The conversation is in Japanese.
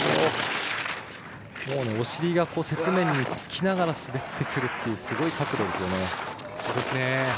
お尻が雪面につきながら滑ってくるというすごい角度ですよね。